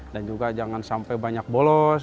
dan juga jangan sampai banyak bolos